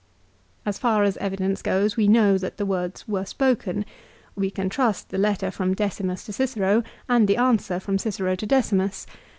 As far as evidence goes we know that the words were spoken. We can trust the letter from Decimus to Cicero and the answer from Cicero to Decimus.